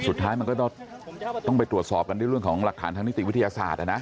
สุดท้ายมันก็ต้องไปตรวจสอบกันด้วยเรื่องของหลักฐานทางนิติวิทยาศาสตร์นะ